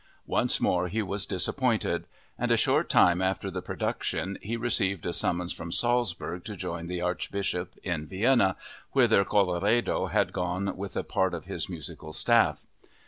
Once more he was disappointed; and a short time after the production he received a summons from Salzburg to join the Archbishop in Vienna, whither Colloredo had gone with a part of his musical staff.